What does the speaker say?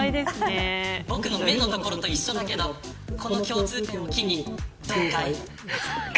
僕の目のところと一緒だけどこの共通点を機に。